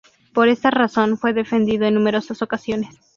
Por esta razón, fue defendido en numerosas ocasiones.